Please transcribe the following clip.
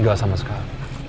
gak sama sekali